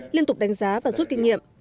liên tục đánh giá và rút kinh nghiệm